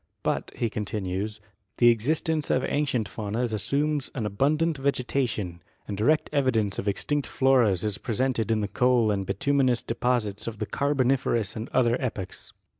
But, he continues, the existence of ancient faunas assumes an abundant vegeta tion, and direct evidence of extinct floras is presented in i^t coal and bituminous deposits of the Carboniferous and other epochs.